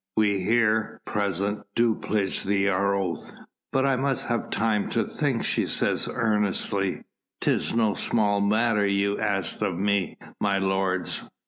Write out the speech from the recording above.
We here present do pledge thee our oath." "But I must have time to think," she said earnestly; "'tis no small matter ye ask of me, my lords.